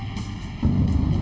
ini sudah terkunci